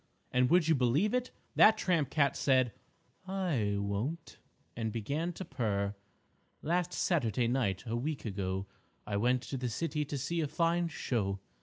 And would you believe it? That tramp cat said, "I won't!" and began to purr: "_Last Saturday night a week ago I went to the city to see a fine show.